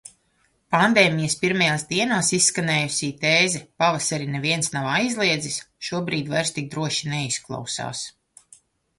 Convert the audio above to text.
Pandēmijas pirmajās dienās izskanējusī tēze "Pavasari neviens nav aizliedzis!" šobrīd vairs tik droši neizklausās...